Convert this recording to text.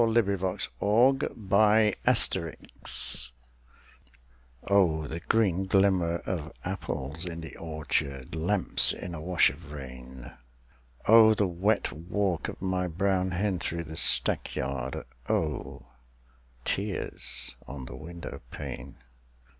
LAWRENCE BALLAD OF ANOTHER OPHELIA Oh, the green glimmer of apples in the orchard, Lamps in a wash of rain, Oh, the wet walk of my brown hen through the stackyard, Oh, tears on the window pane!